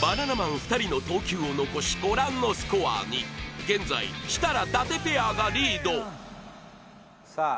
バナナマン２人の投球を残しご覧のスコアに現在設楽・伊達ペアがリードさあ